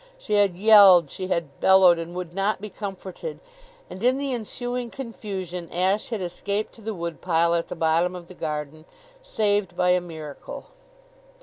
She had yelled, she had bellowed, and would not be comforted; and in the ensuing confusion Ashe had escaped to the woodpile at the bottom of the garden, saved by a miracle.